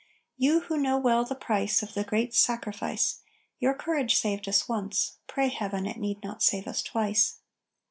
You who know well the price Of the great sacrifice, Your courage saved us once; pray Heaven, it need not save us twice.